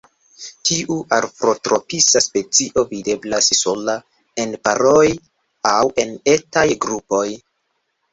Tiu afrotropisa specio videblas sola, en paroj aŭ en etaj grupoj.